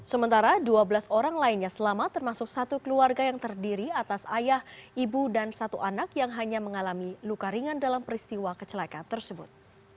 sementara dua belas orang lainnya selamat termasuk satu keluarga yang terdiri atas ayah ibu dan satu anak yang hanya mengalami luka ringan dalam peristiwa kecelakaan tersebut